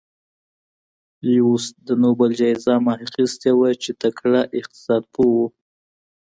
لیوس د نوبل جایزه هم اخیستې وه چې تکړه اقتصاد پوه و.